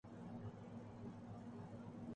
لیکن مسئلہ زیادہ گمبھیر تب ہو جاتا ہے۔